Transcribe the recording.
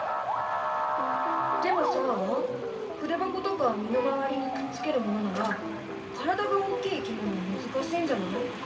でもさ筆箱とか身の回りにくっつけるものなら体が大きいいきものは難しいんじゃない？